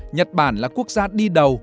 nhật bản là quốc gia đi đầu